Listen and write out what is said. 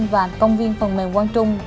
và công viên phần mềm quang trung